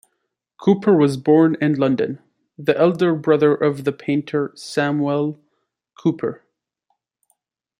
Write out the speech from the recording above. Cooper was born in London, the elder brother of the painter Samuel Cooper.